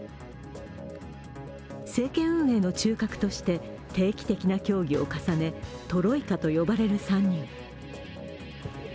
政権運営の中核として定期的な協議を重ね、トロイカと呼ばれる３人。